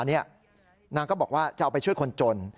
นางก็บอกว่าจะเอาไปช่วยคนจน